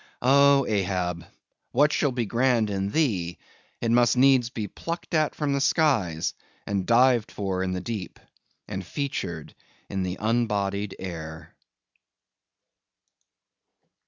Oh, Ahab! what shall be grand in thee, it must needs be plucked at from the skies, and dived for in the deep, and featured in the unbodied air!